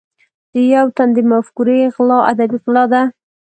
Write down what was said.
د یو تن د مفکورې غلا ادبي غلا ده.